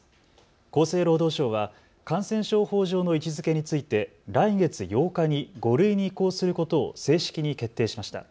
厚生労働省は感染症法上の位置づけについて来月８日に５類に移行することを正式に決定しました。